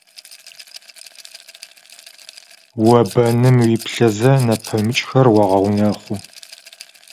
Сам в могилу смотришь, а других губишь.